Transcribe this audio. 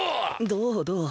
どうどう。